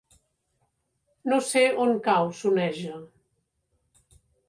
No sé on cau Soneja.